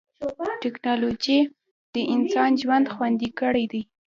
ټکنالوجي د انسان ژوند خوندي کړی دی.